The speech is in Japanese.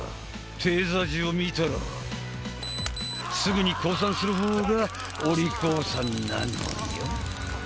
テーザー銃を見たらすぐに降参する方がお利口さんなのよ